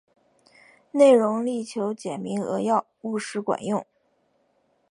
内容力求简明扼要、务实管用